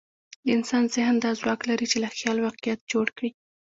د انسان ذهن دا ځواک لري، چې له خیال واقعیت جوړ کړي.